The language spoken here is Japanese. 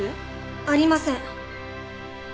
ありません。